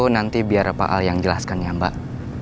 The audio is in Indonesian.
nanti biar pak al yang jelaskan ya mbak